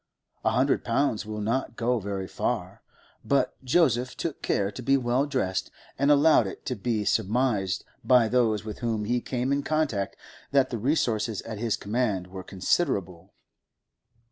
A hundred pounds will not go very far, but Joseph took care to be well dressed, and allowed it to be surmised by those with whom he came in contact that the resources at his command were considerable.